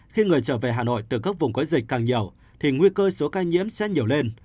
khi người trở về hà nội từ các vùng có dịch càng nhiều thì nguy cơ số ca nhiễm sẽ nhiều lên